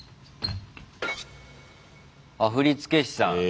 あっ振付師さん。